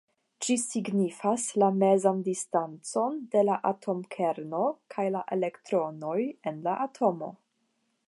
Ĝi signifas la mezan distancon de la atomkerno kaj la elektronoj en la atomo.